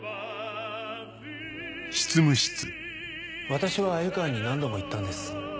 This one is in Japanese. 私は鮎川に何度も言ったんです。